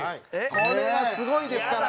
これはすごいですから。